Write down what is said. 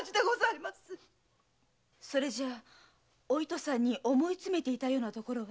それじゃあお糸さんに思い詰めていたようなところは？